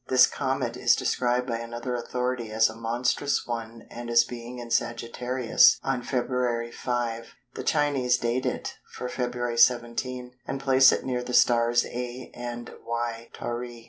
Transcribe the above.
This Comet is described by another authority as a "monstrous" one and as being in Sagittarius on Feb. 5. The Chinese date it for Feb. 17, and place it near the stars α and γ Tauri.